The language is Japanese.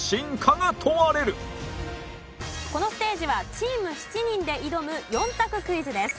このステージはチーム７人で挑む４択クイズです。